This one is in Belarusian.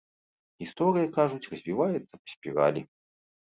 Гісторыя, кажуць, развіваецца па спіралі.